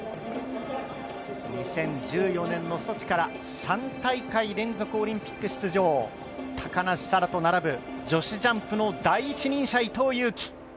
２０１４年のソチから３大会連続オリンピック出場、高梨沙羅と並ぶ女子ジャンプの第一人者・伊藤有希